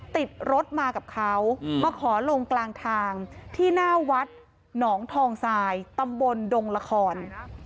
ติดรถมากับเขามาขอลงกลางทางที่หน้าวัดหนองทองทรายตำบลดงละคร